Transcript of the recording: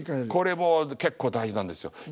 これも結構大事なんですよ